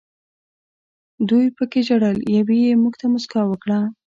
دوو پکې ژړل، یوې یې موږ ته موسکا وکړه.